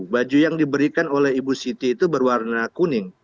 baju yang diberikan oleh ibu siti itu berwarna kuning